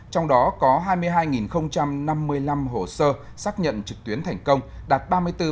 trong đó có hai mươi hai năm mươi năm hồ sơ xác nhận trực tuyến thành công đạt ba mươi bốn bốn